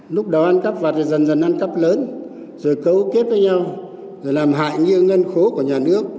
lúc đó ăn cắp vặt dần dần ăn cắp lớn rồi cấu kết với nhau rồi làm hại như ngân khố của nhà nước